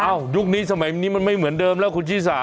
ยุคนี้สมัยนี้มันไม่เหมือนเดิมแล้วคุณชิสา